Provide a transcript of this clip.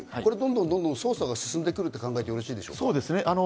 どんどん捜査が進んでいくと考えてよろしいですか？